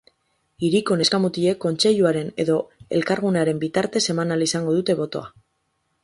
Hiriko neska-mutilek kontseiluaren edo elkargunearen bitartez eman ahal izango dute botoa.